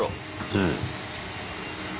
うん。